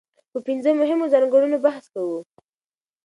په پنځه مهمو ځانګړنو بحث کوو.